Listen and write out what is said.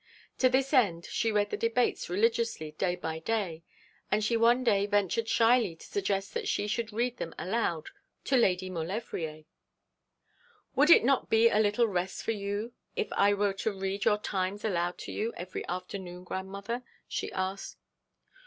To this end she read the debates religiously day by day; and she one day ventured shyly to suggest that she should read them aloud to Lady Maulevrier. 'Would it not be a little rest for you if I were to read your Times aloud to you every afternoon, grandmother?' she asked.